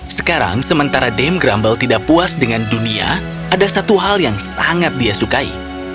sekarang sementara dame grumble tidak puas dengan dunia ada satu hal yang sangat dia sukai